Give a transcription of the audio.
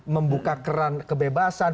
membuka keran kebebasan